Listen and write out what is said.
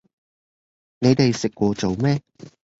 你哋食過早吂